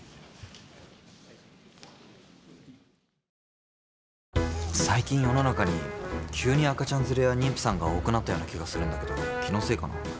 関係大臣以外はご退席いただいて最近世の中に急に赤ちゃん連れや妊婦さんが多くなったような気がするんだけど気のせいかな？